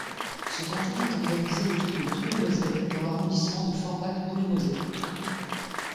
Ce canton est organisé autour de Boulay-Moselle dans l'arrondissement de Forbach-Boulay-Moselle.